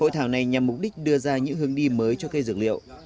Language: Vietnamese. hội thảo này nhằm mục đích đưa ra những hướng đi mới cho cây dược liệu